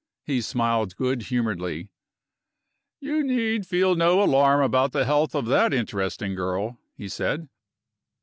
He smiled good humoredly. "You need feel no alarm about the health of that interesting girl," he said.